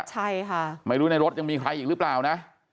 ใช่ค่ะไม่รู้ในรถยังมีใครอีกหรือเปล่านะ